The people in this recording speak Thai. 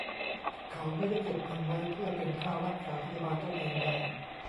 เขาไม่ได้เก็บเงินไว้เพื่อเป็นค่ารักษาพยาบาลตนเองเลย